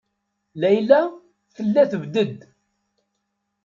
Layla tella tebded.